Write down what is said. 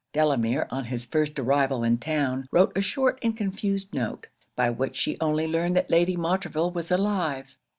Delamere, on his first arrival in town, wrote a short and confused note; by which she only learned that Lady Montreville was alive.